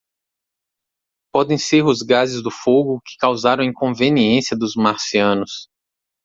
Podem ser os gases do fogo que causaram a inconveniência dos marcianos.